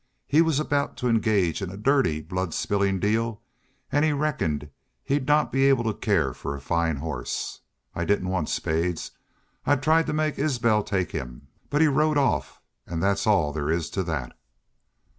He was about to engage in a dirty, blood spilling deal, an' he reckoned he'd not be able to care for a fine horse.... I didn't want Spades. I tried to make Isbel take him. But he rode off.... And that's all there is to that."